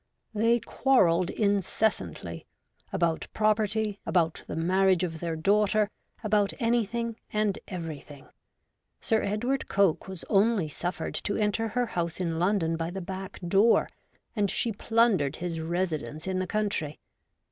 They quarrelled incessantly — about property, about the marriage of their daughter, about anything and everything. Sir Edward Coke was only suffered to enter her house in London by the back door, and she plundered his residence in the country.